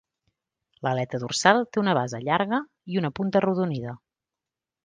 L'aleta dorsal té una base llarga i una punta arrodonida.